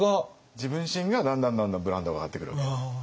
自分自身がだんだんだんだんブランドが上がってくるわけです。